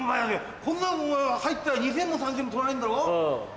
こんなんお前入ったら２０００円も３０００円も取られんだろ？